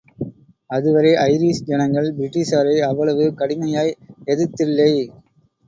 அதுவரை ஐரிஷ் ஜனங்கள் பிரிட்டிஷாரை அவ்வளவு கடுமையாய் எதிர்த் தில்லை.